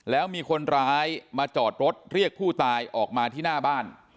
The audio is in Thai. แล้วมีคนร้ายมาจอดรถเรียกผู้ตายออกมาที่หน้าบ้าน